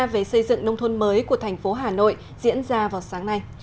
về xây dựng nông thôn mới của thành phố hà nội diễn ra vào sáng nay